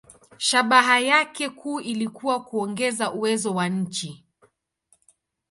Shabaha yake kuu ilikuwa kuongeza uwezo wa nchi.